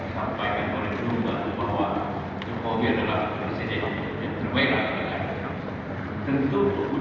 saya tidak tahu